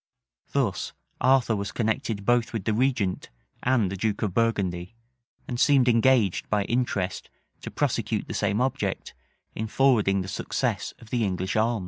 Thus Arthur was connected both with the regent and the duke of Burgundy, and seemed engaged by interest to prosecute the same object, in forwarding the success of the English arms.